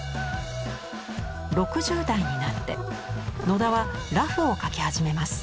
６０代になって野田は裸婦を描き始めます。